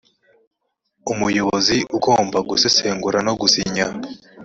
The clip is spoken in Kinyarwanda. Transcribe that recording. umuyobozi ugomba gusesengura no gusinya